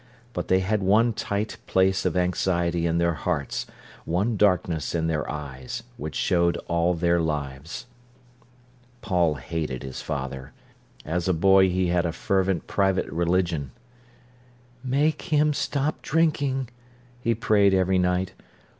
But they had one tight place of anxiety in their hearts, one darkness in their eyes, which showed all their lives. Paul hated his father. As a boy he had a fervent private religion. "Make him stop drinking," he prayed every night.